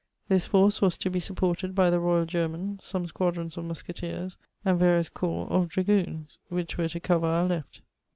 This force was to be supported by the Royal Germans, some squad rons of musketeers, and various corps of dragoons, which were to cover our left.